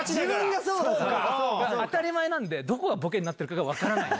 当たり前なんで、どこがボケになってるか分からない。